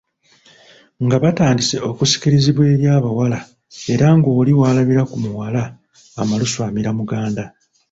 Nga batandise okusikirizibwa eri abawala era ng'oli walabira ku muwala amalusu amira muganda.